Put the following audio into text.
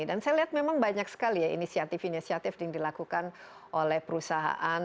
saya lihat memang banyak sekali ya inisiatif inisiatif yang dilakukan oleh perusahaan